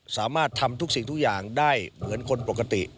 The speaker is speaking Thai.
สามารถทำทุกสิ่งทุกอย่างได้เหมือนคนปกติ